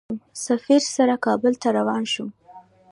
سفیر سره کابل ته روان شوم.